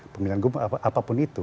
pemilihan gubernur apapun itu